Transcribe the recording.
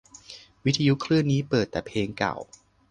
วิทยุคลื่นนี้เปิดแต่เพลงเก่า